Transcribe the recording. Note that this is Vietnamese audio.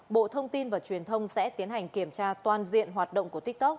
bộ thông tin và truyền thông sẽ tiến hành kiểm tra toàn diện hoạt động của tiktok